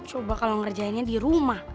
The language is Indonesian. coba kalau ngerjainnya di rumah